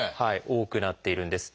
多くなっているんです。